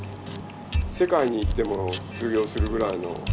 世界に行っても通用するぐらいの。